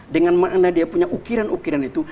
dengan makna dia punya ukiran ukiran itu